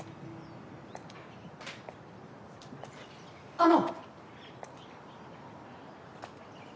あの！